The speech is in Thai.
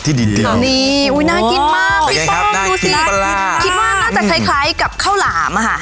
ที่ดีนี่อุ้ยน่ากินมากน่ากินมากน่าจะคล้ายคล้ายกับข้าวหลามอ่ะ